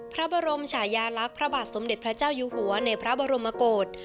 พระบรมชายาลักษณ์พระบาทสมเด็จพระเจ้าอยู่หัวในพระบรมกฏ